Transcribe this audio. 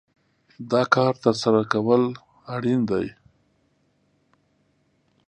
دا کار ترسره کول اړين دي.